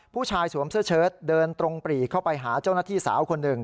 สวมเสื้อเชิดเดินตรงปรีเข้าไปหาเจ้าหน้าที่สาวคนหนึ่ง